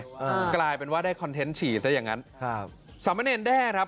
อ่ากลายเป็นว่าได้คอนเทนต์ฉี่ซะอย่างงั้นครับสามเณรแด้ครับ